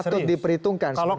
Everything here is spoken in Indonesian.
dan patut diperhitungkan sebenarnya